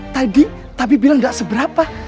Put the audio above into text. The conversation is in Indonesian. tadi tabib bilang tidak seberapa